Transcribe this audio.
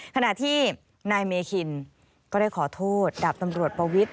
ขณะที่นายเมคินก็ได้ขอโทษดาบตำรวจปวิทย